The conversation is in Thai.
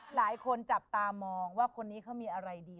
หลายคนจับตามองว่าคนนี้เขามีอะไรดี